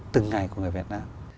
từng ngày của người việt nam